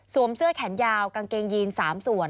เสื้อแขนยาวกางเกงยีน๓ส่วน